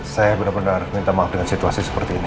saya benar benar minta maaf dengan situasi seperti ini